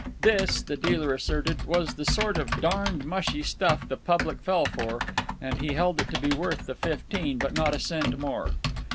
This, the dealer asserted, was the sort of "darned mushy stuff" the public fell for, and he held it to be worth the fifteen, but not a cent more.